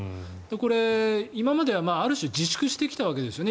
これ、今まではある種自粛してきたわけですよね